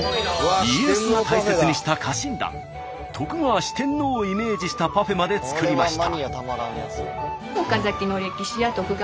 家康が大切にした家臣団徳川四天王をイメージしたパフェまで作りました。